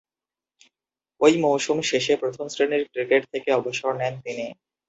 ঐ মৌসুম শেষে প্রথম-শ্রেণীর ক্রিকেট থেকে অবসর নেন তিনি।